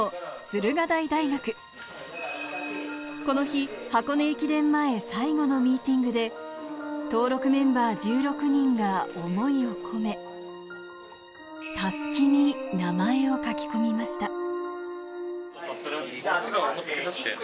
この日、箱根駅伝前、最後のミーティングで、登録メンバー１６人が思いを込め襷に名前を書き込みました。